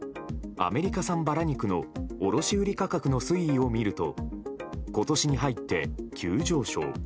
アメリカ産ばら肉の卸売価格の推移を見ると今年に入って急上昇。